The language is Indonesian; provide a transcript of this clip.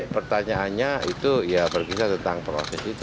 pertanyaannya itu ya berkisar tentang proses itu